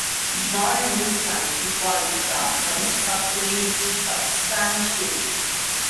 During this time, he bulked up substantially.